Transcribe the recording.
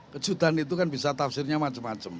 kejutan itu kan bisa tafsirnya macam macam